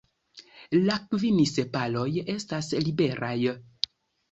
La kvin sepaloj estas liberaj.